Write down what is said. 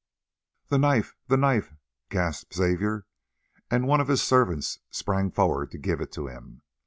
"The knife, the knife!" gasped Xavier, and one of his servants sprang forward to give it to him.